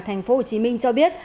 thành phố hồ chí minh cho biết